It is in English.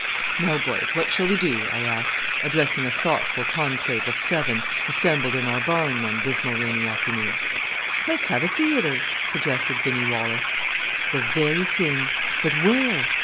"Now, boys, what shall we do?" I asked, addressing a thoughtful conclave of seven, assembled in our barn one dismal rainy afternoon. "Let's have a theatre," suggested Binny Wallace. The very thing! But where?